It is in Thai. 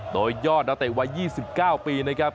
โดยยอดนักเตะวัย๒๙ปีนะครับ